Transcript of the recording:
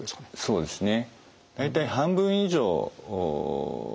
そうですね。